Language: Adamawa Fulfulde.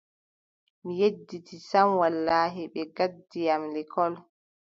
Mi yedditi sam wallaahi, ɓe ngaddi am lekkol.